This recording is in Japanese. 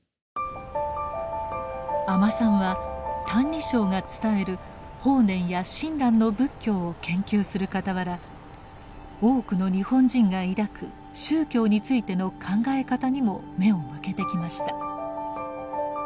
阿満さんは「歎異抄」が伝える法然や親鸞の仏教を研究するかたわら多くの日本人が抱く宗教についての考え方にも目を向けてきました。